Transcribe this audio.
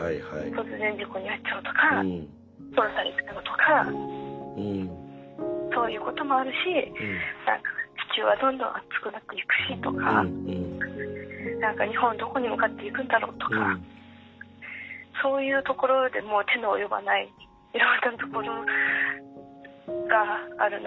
突然事故に遭っちゃうとか殺されちゃうとかそういうこともあるし地球はどんどん熱くなっていくしとか何か日本どこに向かっていくんだろうとかそういうところでもう手の及ばないいろんなところがあるなあって